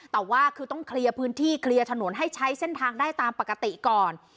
แต่ว่าคือต้องเคลียร์พื้นที่เคลียร์ถนนให้ใช้เส้นทางได้ตามปกติก่อน